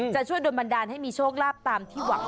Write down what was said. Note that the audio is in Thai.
จะช่วยโดนบันดาลให้มีโชคลาภตามที่หวัง